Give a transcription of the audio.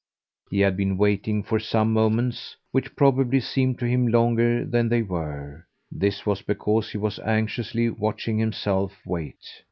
He had been waiting for some moments, which probably seemed to him longer than they were; this was because he was anxiously watching himself wait.